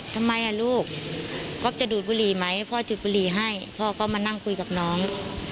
ทำไมอ่ะลูกก๊อฟจะดูดบุหรี่ไหมพ่อจุดบุหรี่ให้พ่อก็มานั่งคุยกับน้อง